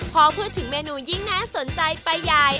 พอพูดถึงเมนูยิ่งน่าสนใจไปใหญ่